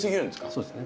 そうですね。